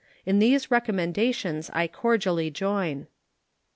In these recommendations I cordially join.